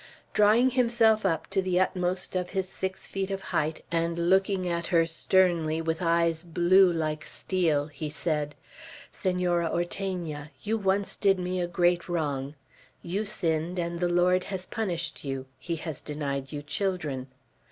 Drawing himself up to the utmost of his six feet of height, and looking at her sternly, with eyes blue like steel, he said: "Senora Ortegna, you once did me a great wrong. You sinned, and the Lord has punished you. He has denied you children.